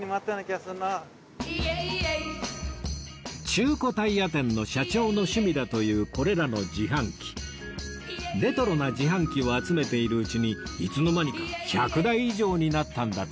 中古タイヤ店の社長の趣味だというこれらの自販機レトロな自販機を集めているうちにいつの間にか１００台以上になったんだとか